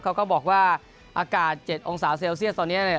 เขาก็บอกว่าอากาศ๗องศาเซลเซียสตอนนี้เนี่ย